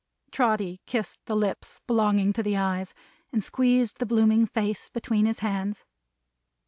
Trotty kissed the lips belonging to the eyes, and squeezed the blooming face between his hands.